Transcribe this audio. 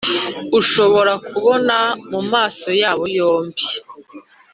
ushobora kubona mumaso yabo yombi